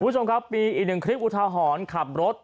คุณผู้ชมครับมีอีกหนึ่งคลิปอุทาหรณ์ขับรถ